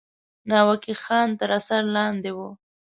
ناوګی خان تر اثر لاندې وو.